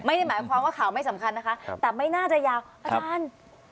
ไม่ได้หมายความว่าข่าวไม่สำคัญนะคะแต่ไม่น่าจะยาวอาจารย์